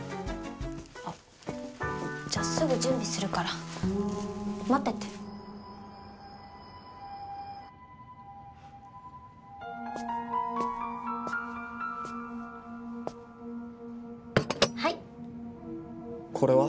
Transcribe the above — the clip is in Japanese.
あっじゃあすぐ準備するから待っててはいこれは？